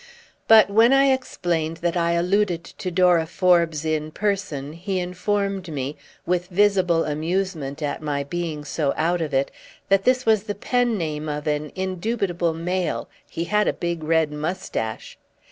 But when I explained that I alluded to Dora Forbes in person he informed me, with visible amusement at my being so out of it, that this was the "pen name" of an indubitable male—he had a big red moustache.